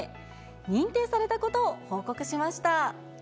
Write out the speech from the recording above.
認定されたことを報告しました。